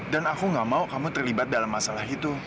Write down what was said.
dan aku gak mau kamu terlibat dalam masalah itu